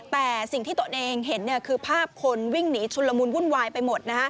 แต่สิ่งที่ตัวเองเห็นคือภาพคนวิ่งหนีชุนละมุนวุ่นวายไปหมด